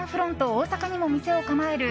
大阪にも店を構える